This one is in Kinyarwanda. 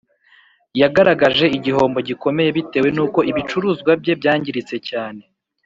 Yagaragaje igihombo gikomeye bitewe nuko ibicuruzwa bye byangiritse cyane